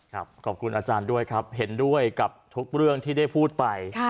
ขอบคุณอาจารย์ด้วยครับเห็นด้วยกับทุกเรื่องที่ได้พูดไป